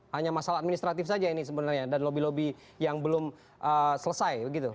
hanya masalah administratif saja ini sebenarnya dan lobby lobby yang belum selesai